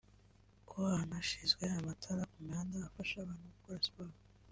Ko hanashyizwe amatara ku mihanda afasha abantu gukora siporo